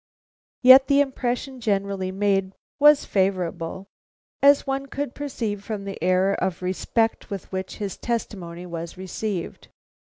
Yet the impression generally made was favorable, as one could perceive from the air of respect with which his testimony was received.